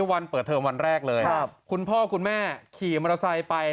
วันเปิดเทอมวันแรกเลยคุณพ่อคุณแม่ขี่มอเตอร์ไซค์ไป